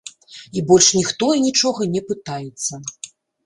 І больш ніхто і нічога не пытаецца.